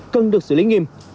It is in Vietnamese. cần được xử lý nghiêm